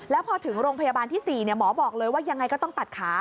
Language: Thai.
แล้วพอถึงโรงพยาบาลที่๔หมอบอกเลยว่ายังไงก็ต้องตัดขา